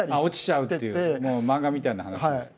落ちちゃうっていう漫画みたいな話。